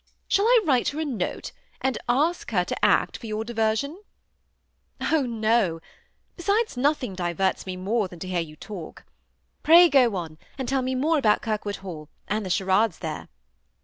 Shall I write her a note^ and ask her to act for your diversion?" '^ Oh, no I besides, nothing diverts me more than to hear you talk. Pray go on, and tell me more aboat Kirwood Hall, and the charades there."